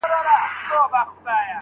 په ډېرو دوړدوړکو مو زاره راوچوله .